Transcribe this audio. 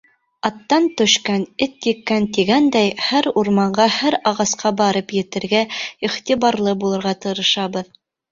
Аттан төшкән, эт еккән, тигәндәй, һәр урманға, һәр ағасҡа барып етергә, иғтибарлы булырға тырышабыҙ.